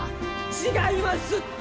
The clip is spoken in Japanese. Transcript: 違いますって！